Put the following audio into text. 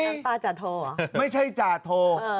น้ำตาจาโทหรอไม่ใช่จาโทเออ